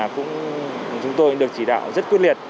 chúng tôi được chỉ đạo rất quyết liệt